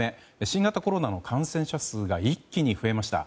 新型コロナの感染者数が一気に増えました。